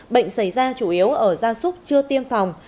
bệnh xảy ra chủ yếu ở gia súc chưa tiêm phòng